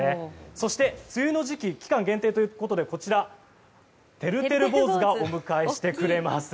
そして、梅雨の時期期間限定ということでてるてる坊主がお迎えしてくれます。